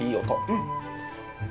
うん。